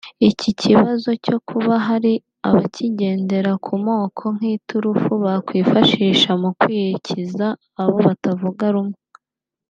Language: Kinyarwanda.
Iki kibazo cyo kuba hari abakigendera ku moko nk’iturufu bakwifashisha mu kwikiza abo batavuga rumwe